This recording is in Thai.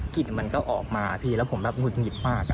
มันก็ออกมาพี่แล้วผมแบบหุดหงิดมาก